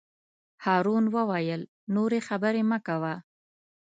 هارون وویل: نورې خبرې مه کوه.